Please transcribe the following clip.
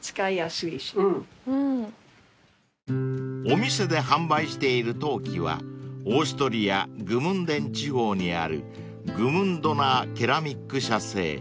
［お店で販売している陶器はオーストリアグムンデン地方にあるグムンドナー・ケラミック社製］